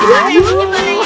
ini malem banyak